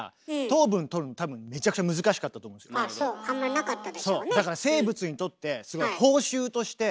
そうあんまりなかったでしょうね。